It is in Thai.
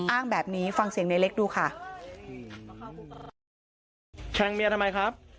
อ้างแบบนี้ฟังเสียงเนี่ยเล็กดูค่ะ